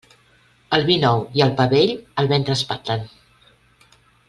El vi nou i el pa vell el ventre espatlen.